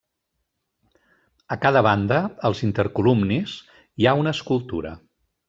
A cada banda, als intercolumnis hi ha una escultura.